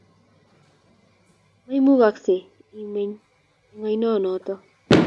Maimukoksei imeny eng oinonoto